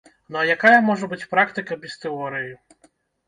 Ну, а якая можа быць практыка без тэорыі?